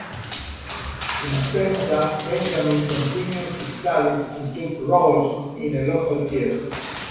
In Penza, Benjamin continued his studies and took roles in a local theatre.